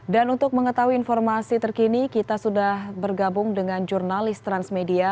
dan untuk mengetahui informasi terkini kita sudah bergabung dengan jurnalis transmedia